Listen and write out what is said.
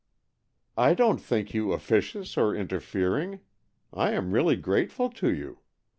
" I don't think you officious or interfering. I am really grateful to you.